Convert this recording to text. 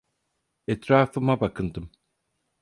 Etrafıma bakındım.